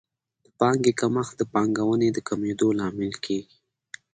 د پانګې کمښت د پانګونې د کمېدو لامل کیږي.